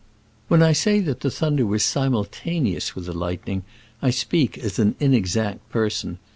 When I say that the thunder was sim ultaneous with the lightning, I speak as an inexact person.